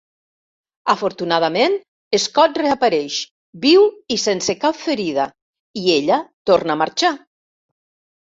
Afortunadament, Scott reapareix, viu i sense cap ferida, i ella torna a marxar.